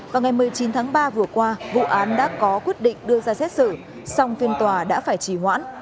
vào ngày một mươi chín tháng ba vừa qua vụ án đã có quyết định đưa ra xét xử song phiên tòa đã phải trì hoãn